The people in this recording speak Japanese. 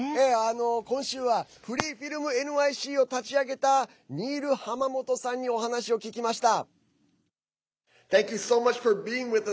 今週はＦｒｅｅＦｉｌｍＮＹＣを立ち上げたニール・ハマモトさんにお話を聞きました。